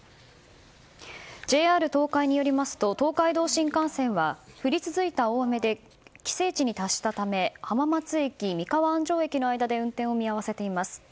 ＪＲ東海によりますと東海道新幹線は降り続いた大雨で規制値に達したため浜松駅三河安城駅の間で運転を見合わせています。